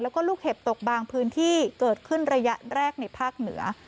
แล้วก็ลูกเห็บตกบางพื้นที่เกิดขึ้นระยะแรกในภาคเหนือ